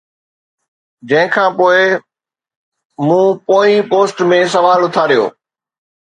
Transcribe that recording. جنهن کان پوءِ مون پوئين پوسٽ ۾ سوال اٿاريو